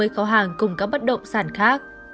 bốn trăm năm mươi khóa hàng cùng các bất động sản khác